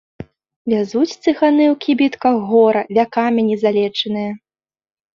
Вязуць цыганы ў кібітках гора, вякамі не залечанае.